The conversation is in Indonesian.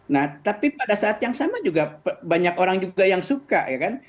nah tapi pada saat yang sama juga banyak orang juga yang suka ya kan